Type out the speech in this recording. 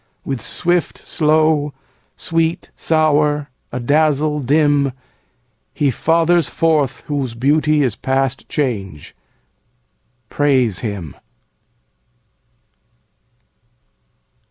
With swift, slow; sweet, sour; adazzle, dim; He fathers forth whose beauty is past change: Praise him.